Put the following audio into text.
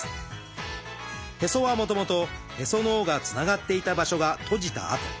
へそはもともとへその緒がつながっていた場所が閉じた跡。